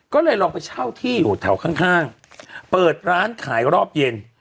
ก็เลยลองไปเช่าที่อยู่แถวข้างเปิดร้านขายรอบเย็น